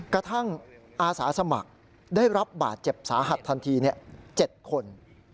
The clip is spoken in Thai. อาสาสมัครได้รับบาดเจ็บสาหัสทันที๗คน